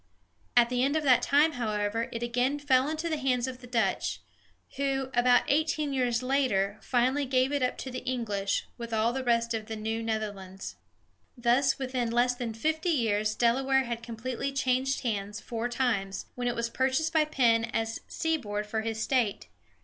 At the end of that time, however, it again fell into the hands of the Dutch, who, about eighteen years later, finally gave it up to the English, with all the rest of the New Netherlands. Thus within less than fifty years Delaware had completely changed hands four times, when it was purchased by Penn as seaboard for his state.